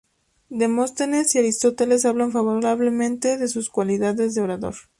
Demóstenes y Aristóteles hablan favorablemente de sus cualidades de orador.